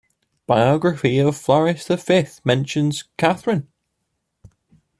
Biography of Floris the Fifth, mentions "Catheryne"